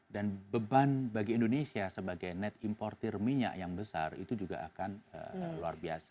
dan beban bagi indonesia sebagai net importer minyak yang besar itu juga akan luar biasa